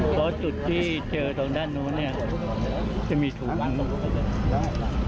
เพราะจุดที่เจอตรงด้านนู้นเนี่ยจะมีถุงวางลง